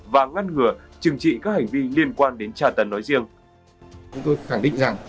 và ngăn ngừa trừng trị các hành vi liên quan đến tra tấn nói riêng